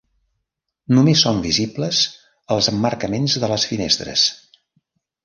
Només són visibles els emmarcaments de les finestres.